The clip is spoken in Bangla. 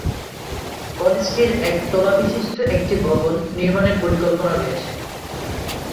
কলেজটির এক-তলা বিশিষ্ট একটি ভবন নির্মাণের পরিকল্পনা রয়েছে।